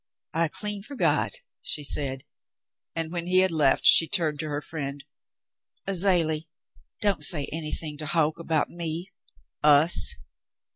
*'I clean forgot," she said, and when he had left, she turned to her friend. "Azalie — don't say anything to Hoke about me — us.